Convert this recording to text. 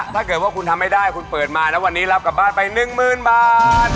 ถ้าเกิดว่าคุณทำไม่ได้คุณเปิดมาแล้ววันนี้รับกลับบ้านไป๑๐๐๐บาท